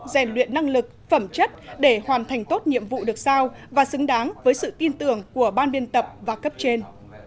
rèn luyện năng lực phẩm chất để hoàn thành tốt nhiệm vụ được sao và xứng đáng với sự tin tưởng của ban biên tập và cấp trên